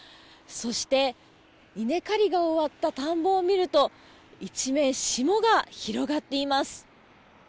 そして、稲刈りが終わった田んぼを見ると一面、霜が広がっています。